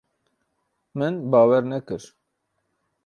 Min bawer nekir.